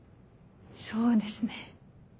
そうですね。